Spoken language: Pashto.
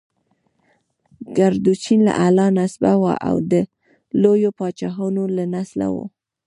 کردوچین اعلی نسبه وه او د لویو پاچاهانو له نسله وه.